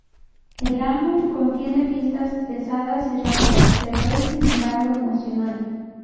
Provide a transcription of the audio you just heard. El álbum contiene pistas pesadas y rápidas, pero es sin embargo emocional.